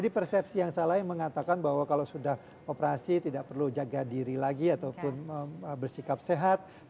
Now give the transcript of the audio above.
jadi persepsi yang salahnya mengatakan bahwa kalau sudah operasi tidak perlu jaga diri lagi ataupun bersikap sehat